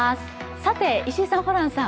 さて石井さん、ホランさん